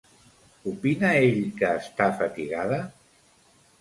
Opina ell que està fatigada?